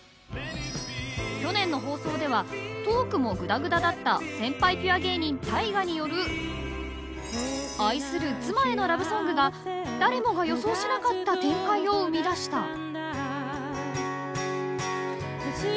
［去年の放送ではトークもグダグダだった先輩ピュア芸人ＴＡＩＧＡによる愛する妻へのラブソングが誰もが予想しなかった展開を生み出した］